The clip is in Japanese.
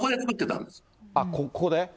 ここで？